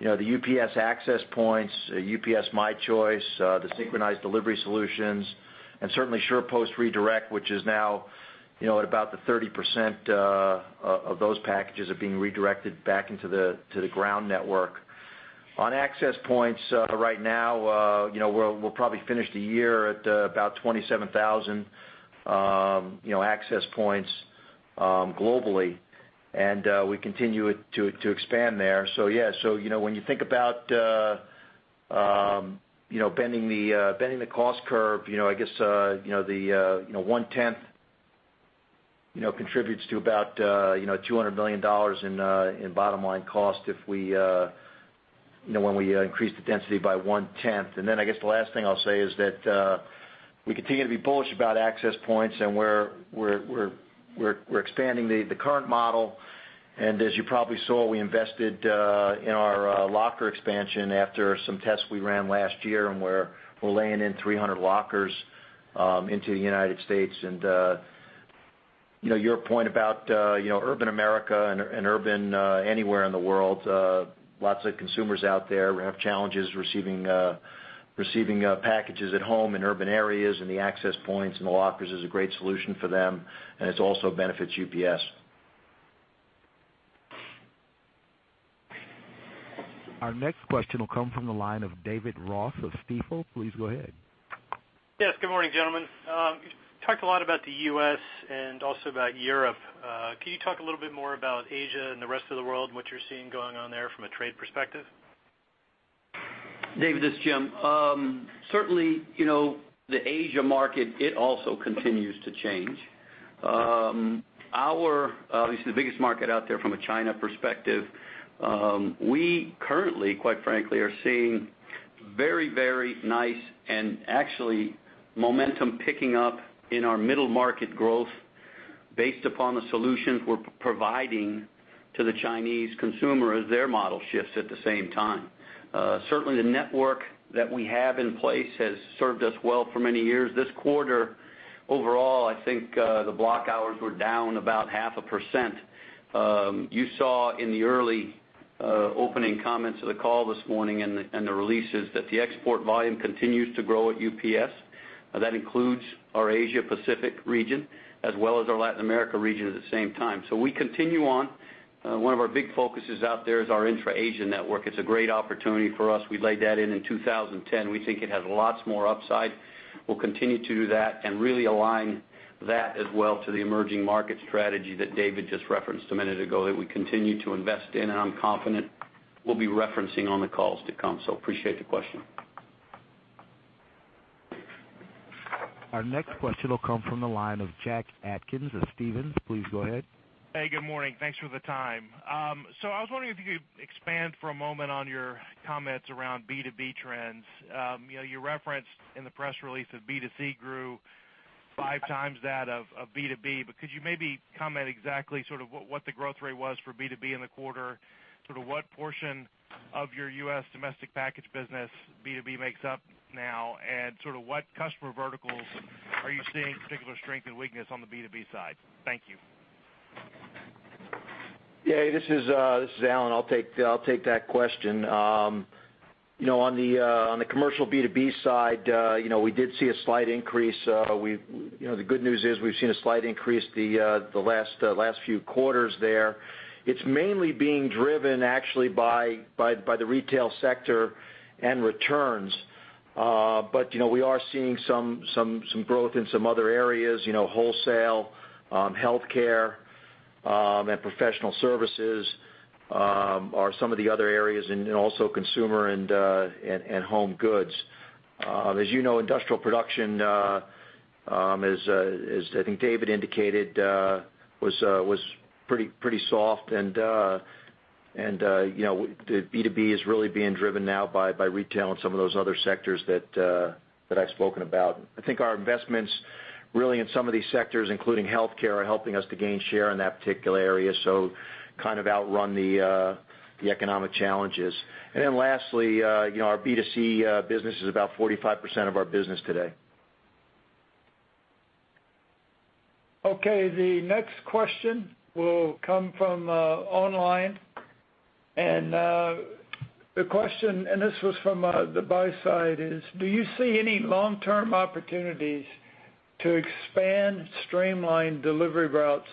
The UPS Access Points, UPS My Choice, the synchronized delivery solutions, and certainly SurePost Redirect, which is now at about the 30% of those packages are being redirected back into the ground network. On Access Points, right now, we'll probably finish the year at about 27,000 Access Points globally, and we continue to expand there. Yeah. When you think about bending the cost curve, I guess the one-tenth contributes to about $200 million in bottom line cost when we increase the density by one-tenth. I guess the last thing I'll say is that we continue to be bullish about Access Points, and we're expanding the current model. As you probably saw, we invested in our locker expansion after some tests we ran last year, and we're laying in 300 lockers into the United States. Your point about urban America and urban anywhere in the world, lots of consumers out there have challenges receiving packages at home in urban areas, and the Access Points and the lockers is a great solution for them, and it also benefits UPS. Our next question will come from the line of David Ross of Stifel. Please go ahead. Yes. Good morning, gentlemen. You talked a lot about the U.S. and also about Europe. Can you talk a little bit more about Asia and the rest of the world, and what you're seeing going on there from a trade perspective? David, this is Jim. Certainly, the Asia market, it also continues to change. Obviously, the biggest market out there from a China perspective. We currently, quite frankly, are seeing very, very nice and actually momentum picking up in our middle market growth based upon the solutions we're providing to the Chinese consumer as their model shifts at the same time. Certainly, the network that we have in place has served us well for many years. This quarter, overall, I think the block hours were down about 0.5%. You saw in the early opening comments of the call this morning and the releases that the export volume continues to grow at UPS. That includes our Asia Pacific region as well as our Latin America region at the same time. We continue on. One of our big focuses out there is our intra-Asia network. It's a great opportunity for us. We laid that in in 2010. We think it has lots more upside. We'll continue to do that and really align that as well to the emerging market strategy that David just referenced a minute ago, that we continue to invest in, and I'm confident we'll be referencing on the calls to come. Appreciate the question. Our next question will come from the line of Jack Atkins of Stephens. Please go ahead. Hey, good morning. Thanks for the time. I was wondering if you could expand for a moment on your comments around B2B trends. You referenced in the press release that B2C grew five times that of B2B, could you maybe comment exactly sort of what the growth rate was for B2B in the quarter, sort of what portion of your U.S. domestic package business B2B makes up now, and sort of what customer verticals are you seeing particular strength and weakness on the B2B side? Thank you. Yeah. This is Alan. I'll take that question. On the commercial B2B side, we did see a slight increase. The good news is we've seen a slight increase the last few quarters there. It's mainly being driven actually by the retail sector and returns. We are seeing some growth in some other areas. Wholesale, healthcare, and professional services are some of the other areas, and also consumer and home goods. As you know, industrial production, as I think David indicated, was pretty soft. The B2B is really being driven now by retail and some of those other sectors that I've spoken about. I think our investments really in some of these sectors, including healthcare, are helping us to gain share in that particular area, so kind of outrun the economic challenges. Lastly, our B2C business is about 45% of our business today. Okay, the next question will come from online, the question, and this was from the buy side, is, do you see any long-term opportunities to expand streamlined delivery routes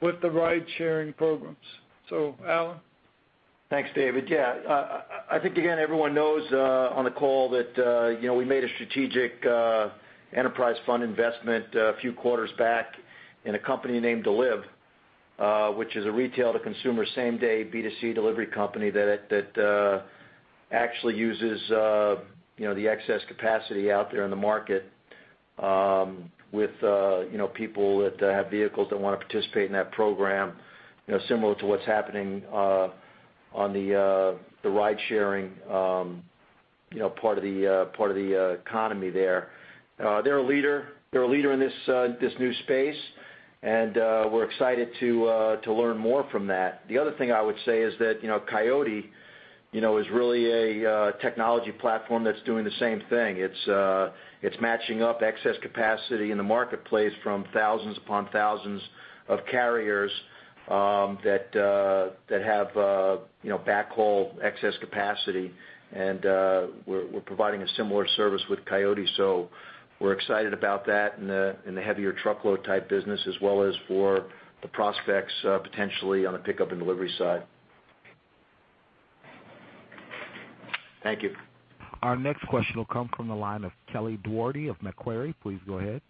with the ride-sharing programs? Alan? Thanks, David. Yeah. I think, again, everyone knows on the call that we made a strategic enterprise fund investment a few quarters back in a company named Deliv, which is a retail-to-consumer, same-day, B2C delivery company that actually uses the excess capacity out there in the market with people that have vehicles that want to participate in that program, similar to what's happening on the ride sharing part of the economy there. They're a leader in this new space, and we're excited to learn more from that. The other thing I would say is that Coyote is really a technology platform that's doing the same thing. It's matching up excess capacity in the marketplace from thousands upon thousands of carriers that have back haul excess capacity, and we're providing a similar service with Coyote. We're excited about that in the heavier truckload type business as well as for the prospects potentially on the pickup and delivery side. Thank you. Our next question will come from the line of Kelly Dougherty of Macquarie. Please go ahead.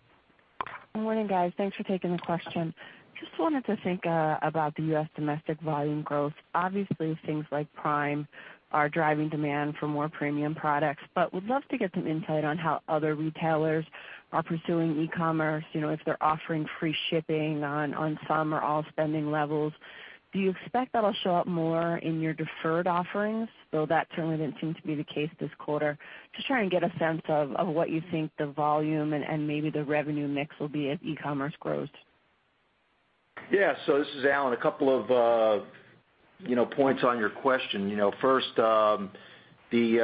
Good morning, guys. Thanks for taking the question. Just wanted to think about the U.S. domestic volume growth. Obviously, things like Prime are driving demand for more premium products, but would love to get some insight on how other retailers are pursuing e-commerce, if they're offering free shipping on some or all spending levels. Do you expect that'll show up more in your deferred offerings, though that certainly didn't seem to be the case this quarter? Just trying to get a sense of what you think the volume and maybe the revenue mix will be as e-commerce grows. This is Alan. A couple of points on your question. First, the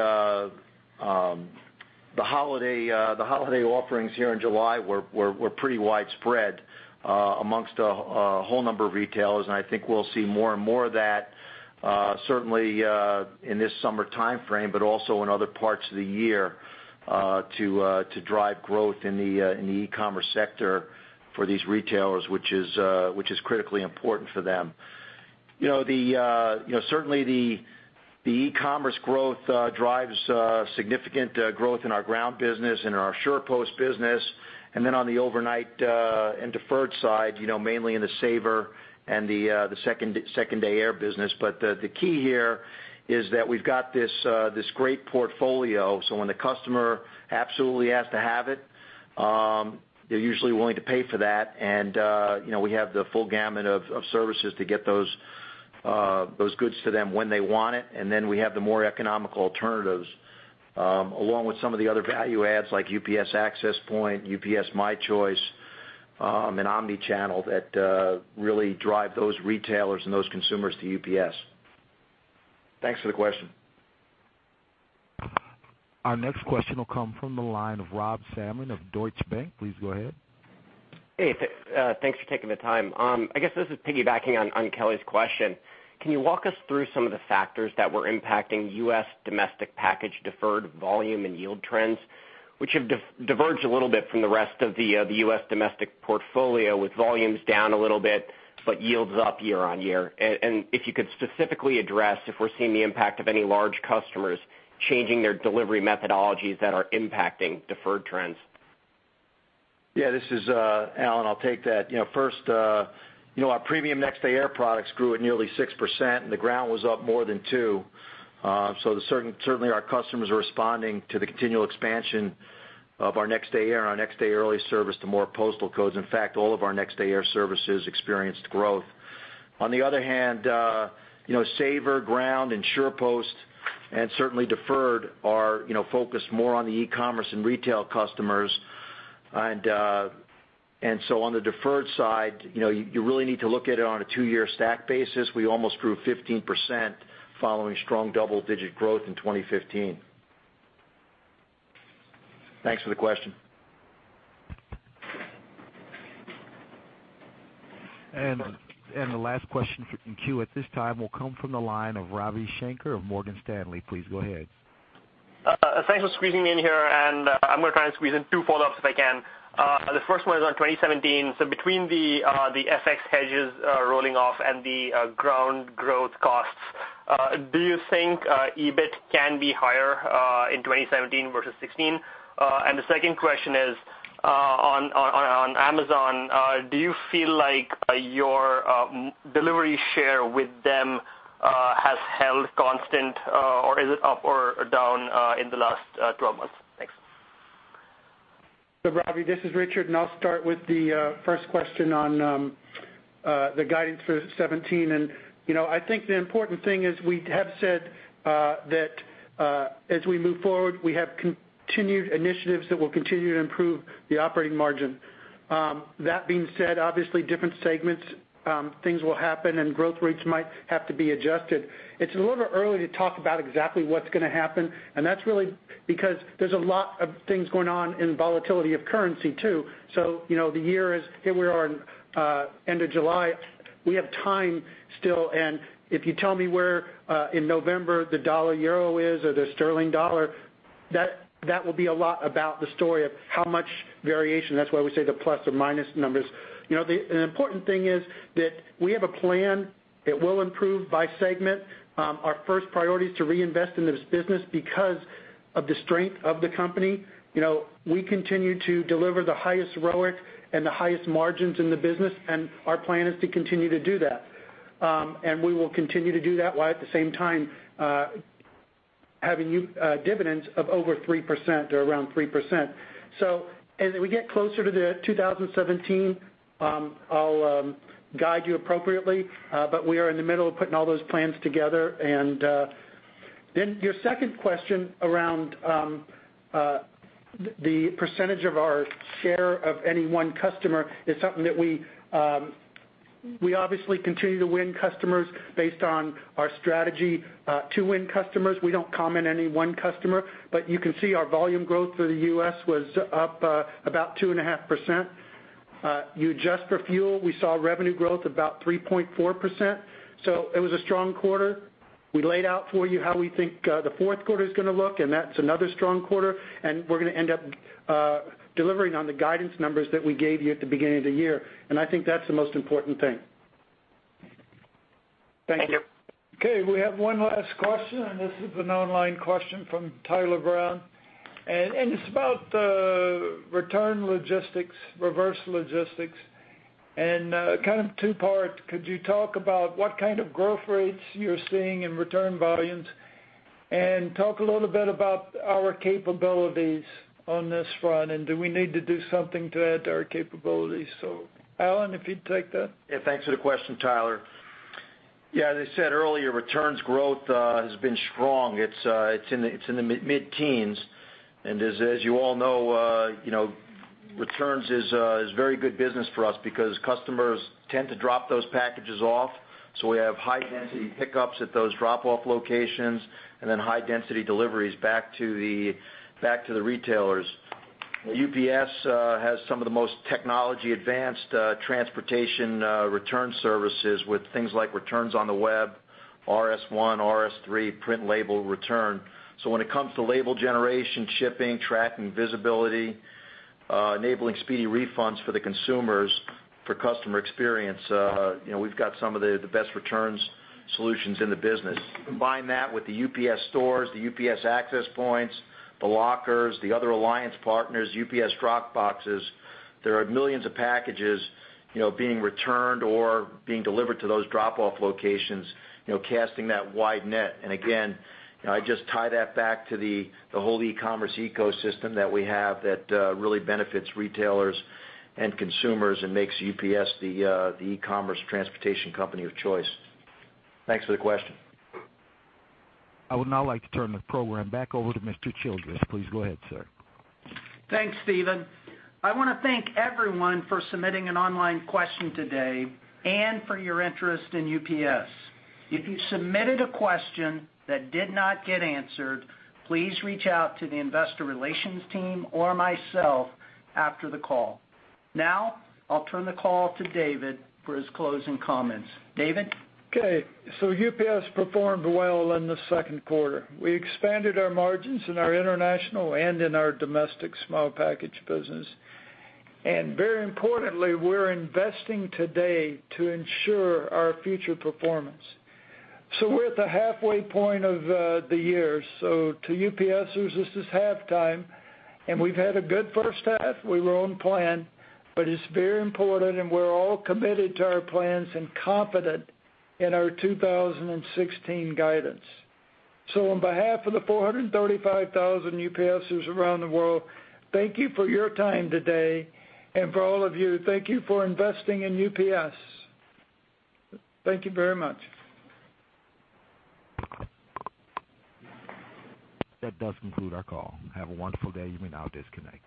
holiday offerings here in July were pretty widespread amongst a whole number of retailers, and I think we'll see more and more of that certainly in this summer timeframe, but also in other parts of the year to drive growth in the e-commerce sector for these retailers, which is critically important for them. Certainly, the e-commerce growth drives significant growth in our ground business and in our SurePost business. On the overnight and deferred side, mainly in the Saver and the 2nd Day Air business. The key here is that we've got this great portfolio, so when the customer absolutely has to have it, they're usually willing to pay for that. We have the full gamut of services to get those goods to them when they want it. We have the more economical alternatives, along with some of the other value adds like UPS Access Point, UPS My Choice, and Omni Channel that really drive those retailers and those consumers to UPS. Thanks for the question. Our next question will come from the line of Rob Salmon of Deutsche Bank. Please go ahead. Hey. Thanks for taking the time. I guess this is piggybacking on Kelly's question. Can you walk us through some of the factors that were impacting U.S. domestic package deferred volume and yield trends? Which have diverged a little bit from the rest of the U.S. domestic portfolio, with volumes down a little bit, but yields up year-over-year. If you could specifically address if we're seeing the impact of any large customers changing their delivery methodologies that are impacting deferred trends. This is Alan. I'll take that. First, our premium Next Day Air products grew at nearly 6%, and the Ground was up more than two. Certainly our customers are responding to the continual expansion of our Next Day Air, our Next Day Early service to more postal codes. In fact, all of our Next Day Air services experienced growth. On the other hand, Saver, Ground, and SurePost, and certainly Deferred are focused more on the e-commerce and retail customers. On the deferred side, you really need to look at it on a two-year stack basis. We almost grew 15% following strong double-digit growth in 2015. Thanks for the question. The last question in queue at this time will come from the line of Ravi Shanker of Morgan Stanley. Please go ahead. Thanks for squeezing me in here, I'm going to try and squeeze in two follow-ups if I can. The first one is on 2017. Between the FX hedges rolling off and the Ground growth costs, do you think EBIT can be higher in 2017 versus 2016? The second question is on Amazon. Do you feel like your delivery share with them has held constant, or is it up or down in the last 12 months? Thanks. Ravi, this is Richard, I'll start with the first question on the guidance for 2017. I think the important thing is we have said that as we move forward, we have continued initiatives that will continue to improve the operating margin. That being said, obviously different segments, things will happen, growth rates might have to be adjusted. It's a little bit early to talk about exactly what's going to happen, that's really because there's a lot of things going on in volatility of currency too. The year is, here we are end of July. We have time still and if you tell me where in November the dollar/euro is or the sterling/dollar That will be a lot about the story of how much variation. That's why we say the plus or minus numbers. The important thing is that we have a plan. It will improve by segment. Our first priority is to reinvest in this business because of the strength of the company. We continue to deliver the highest ROIC and the highest margins in the business, and our plan is to continue to do that. We will continue to do that while at the same time, having dividends of over 3% or around 3%. As we get closer to 2017, I'll guide you appropriately. We are in the middle of putting all those plans together. Your second question around the percentage of our share of any one customer is something that we obviously continue to win customers based on our strategy to win customers. We don't comment any one customer, but you can see our volume growth for the U.S. was up about 2.5%. You adjust for fuel, we saw revenue growth about 3.4%. It was a strong quarter. We laid out for you how we think the fourth quarter is going to look, and that's another strong quarter, and we're going to end up delivering on the guidance numbers that we gave you at the beginning of the year. I think that's the most important thing. Thank you. Okay, we have one last question, and this is an online question from Tyler Brown. It's about return logistics, reverse logistics, and kind of two-part. Could you talk about what kind of growth rates you're seeing in return volumes? Talk a little bit about our capabilities on this front, and do we need to do something to add to our capabilities? Alan, if you'd take that. Thanks for the question, Tyler. As I said earlier, returns growth has been strong. It's in the mid-teens, and as you all know, returns is very good business for us because customers tend to drop those packages off. We have high-density pickups at those drop-off locations and then high-density deliveries back to the retailers. UPS has some of the most technology-advanced transportation return services with things like returns on the web, RS1, RS3, print label return. When it comes to label generation, shipping, tracking, visibility, enabling speedy refunds for the consumers for customer experience, we've got some of the best returns solutions in the business. Combine that with The UPS Stores, the UPS Access Points, the lockers, the other alliance partners, UPS drop boxes. There are millions of packages being returned or being delivered to those drop-off locations, casting that wide net. Again, I just tie that back to the whole e-commerce ecosystem that we have that really benefits retailers and consumers and makes UPS the e-commerce transportation company of choice. Thanks for the question. I would now like to turn the program back over to Mr. Childress. Please go ahead, sir. Thanks, Steven. I want to thank everyone for submitting an online question today and for your interest in UPS. If you submitted a question that did not get answered, please reach out to the investor relations team or myself after the call. I'll turn the call to David for his closing comments. David? Okay, UPS performed well in the second quarter. We expanded our margins in our international and in our domestic small package business. Very importantly, we're investing today to ensure our future performance. We're at the halfway point of the year. To UPSers, this is halftime, and we've had a good first half. We were on plan, it's very important and we're all committed to our plans and confident in our 2016 guidance. On behalf of the 435,000 UPSers around the world, thank you for your time today. For all of you, thank you for investing in UPS. Thank you very much. That does conclude our call. Have a wonderful day. You may now disconnect.